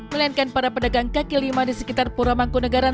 melainkan para pedagang kaki lima di sekitar purwomango negara